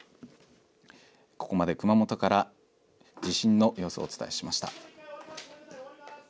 ここまで熊本から地震の様子をお伝えしました。